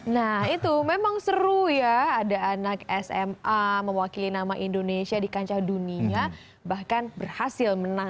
nah itu memang seru ya ada anak sma mewakili nama indonesia di kancah dunia bahkan berhasil menang